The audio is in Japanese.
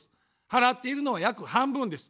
払っているのは約半分です。